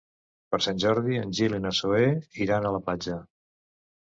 Per Sant Jordi en Gil i na Zoè iran a la platja.